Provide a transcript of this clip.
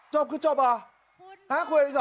จบคือจบเหรอ